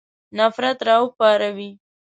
نفرت را وپاروي.